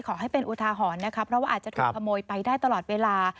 ขอให้เป็นอุทาหรณ์นะคะเพราะว่าอาจจะถูกขโมยไปได้ตลอดเวลา